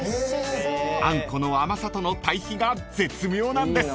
［あんこの甘さとの対比が絶妙なんです］